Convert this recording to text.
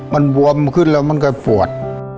มันบวมขึ้นแล้วมันก็ปวด